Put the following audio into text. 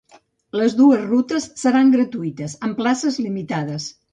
Les deu rutes seran gratuïtes, amb places limitades.